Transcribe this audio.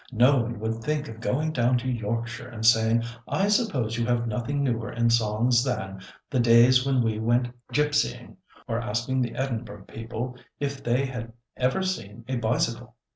No one would think of going down to Yorkshire and saying, 'I suppose you have nothing newer in songs than "The days when we went gipsying,"' or asking the Edinburgh people if they had ever seen a bicycle.